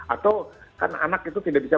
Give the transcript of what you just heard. atau kan anak itu tidak bisa